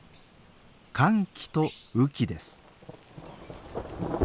乾季と雨季です。